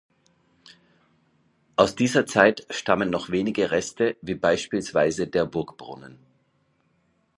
Aus dieser Zeit stammen noch wenige Reste wie beispielsweise der Burgbrunnen.